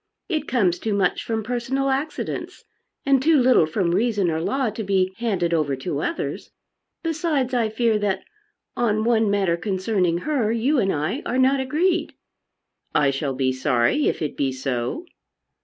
It comes too much from personal accidents, and too little from reason or law to be handed over to others. Besides, I fear, that on one matter concerning her you and I are not agreed." "I shall be sorry if it be so."